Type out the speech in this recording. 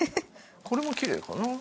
これもきれいかな。